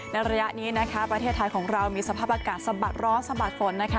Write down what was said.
ระยะนี้นะคะประเทศไทยของเรามีสภาพอากาศสะบัดร้อนสะบัดฝนนะคะ